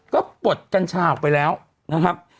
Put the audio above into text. ก็ปลดกัญชาออกไปแล้วนะครับ